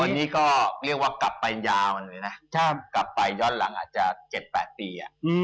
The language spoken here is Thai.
วันนี้ก็เรียกว่ากลับไปยาวเลยนะกลับไปย้อนหลังอาจจะ๗๘ปี